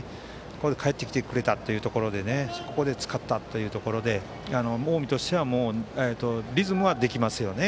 ここで帰ってきてくれたというところでここで使ったというところで近江としてはリズムはできますよね